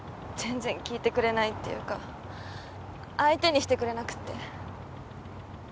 全然聞いてくれないっていうか相手にしてくれなくって。